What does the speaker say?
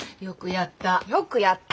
よくやった！